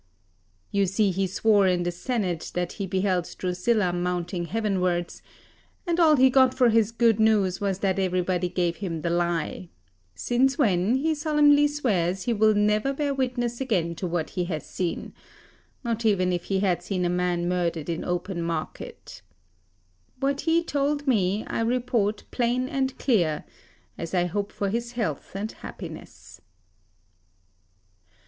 You see he swore in the Senate that he beheld Drusilla mounting heavenwards, and all he got for his good news was that everybody gave him the lie: since when he solemnly swears he will never bear witness again to what he has seen, not even if he had seen a man murdered in open market. What he told me I report plain and clear, as I hope for his health and happiness.